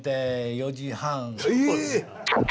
４時半。